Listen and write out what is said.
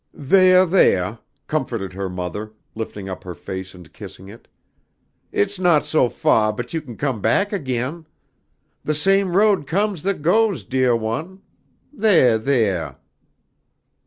"Theah! theah!" comforted her mother, lifting up her face and kissing it. "It's not so fah but you can come back again. The same road comes that goes, deah one. Theah! Theah!"